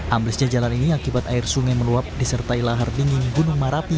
amblesnya jalan ini akibat air sungai meluap disertai lahar dingin gunung marapi